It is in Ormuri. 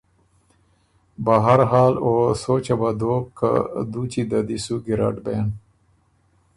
بهر حال او سوچه وه دوک که دُوچی د دی سو ګیرډ بېن